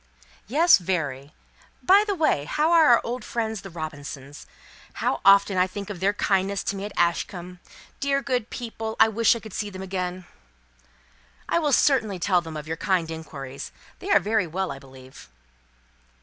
"Yes; very. By the way, how are our old friends the Robinsons? How often I think of their kindness to me at Ashcombe! Dear good people, I wish I could see them again." "I will certainly tell them of your kind inquiries. They are very well, I believe."